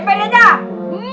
rumah ada tuyulnya